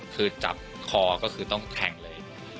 คือจับคอก็คือต้องแทงเลย